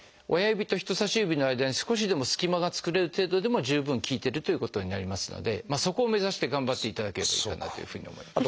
親指と人さし指の間に少しでも隙間が作れる程度でも十分効いてるということになりますのでそこを目指して頑張っていただければいいかなというふうに思います。